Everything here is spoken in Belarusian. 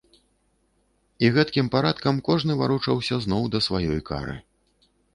І гэткім парадкам кожны варочаўся зноў да сваёй кары.